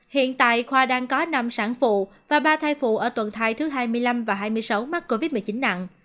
hiện tại khoa đang có năm sản phụ và ba thai phụ ở tuần thai thứ hai mươi năm và hai mươi sáu mắc covid một mươi chín nặng